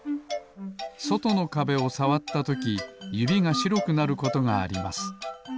そとのかべをさわったときゆびがしろくなることがあります。